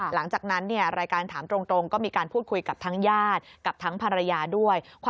หลังจากนั้นรายการถามตรงก็มีการพูดคุยกับทั้งญาติกับทั้งภรรยาด้วย